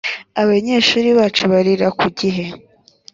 abanyeshuri bacu barira kugihe